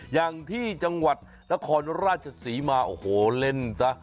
อย่างที่จังหวัดนครราชศรีมาโอ้โหเล่นซะ